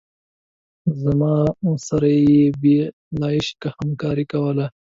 زما سره یې بې آلایشه همکاري کوله.